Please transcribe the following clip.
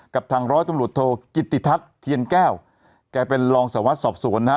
กับทางร้อยตำรวจโทกิติทัศน์เทียนแก้วแกเป็นรองสวัสดิสอบสวนนะฮะ